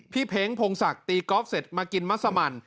เพ้งพงศักดิ์ตีกอล์ฟเสร็จมากินมัสมัน